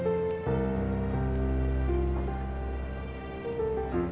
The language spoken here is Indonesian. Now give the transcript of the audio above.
senyum ya kan